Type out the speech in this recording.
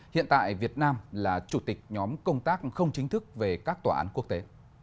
hiện tại việt nam là chủ tịch nhóm công tác không chính thức về các tòa án quốc tế